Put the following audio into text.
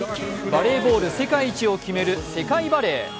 バレーボール世界一を決める世界バレー。